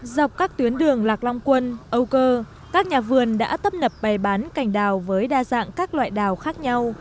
dọc các tuyến đường lạc long quân âu cơ các nhà vườn đã tấp nập bày bán cành đào với đa dạng các loại đào khác nhau